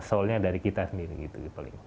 soalnya dari kita sendiri gitu paling